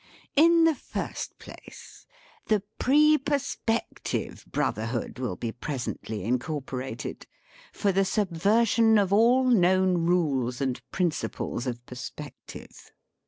In the first place, the Pre Perspective Bro therhood will be presently incorporated, for the subversion of all known rules and prin ciples of perspective.